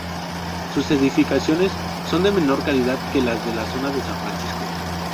Sus edificaciones son de menor calidad que las de la zona de San Francisco.